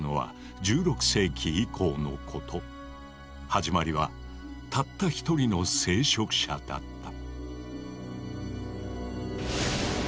始まりはたったひとりの聖職者だった。